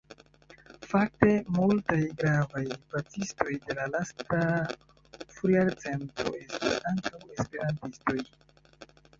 Fakte, multaj gravaj pacistoj de la lasta frujarcento estis ankaŭ esperantistoj.